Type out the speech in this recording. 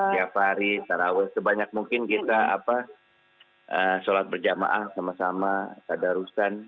tiap hari setara awal sebanyak mungkin kita apa sholat berjamaah sama sama pada rus kan